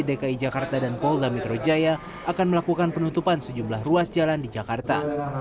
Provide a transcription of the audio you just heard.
dki jakarta dan polda metro jaya akan melakukan penutupan sejumlah ruas jalan di jakarta